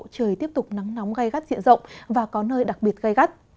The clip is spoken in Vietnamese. trời tiếp tục nắng nóng gai gắt diện rộng và có nơi đặc biệt gai gắt